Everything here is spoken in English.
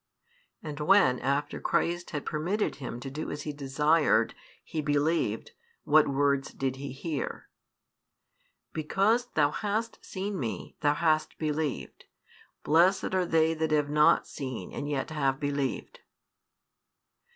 And when, after Christ had permitted him to do as he desired, he believed, what words did he hear? Because thou hast seen Me, thou hast believed: blessed are they that have not seen and yet have believed.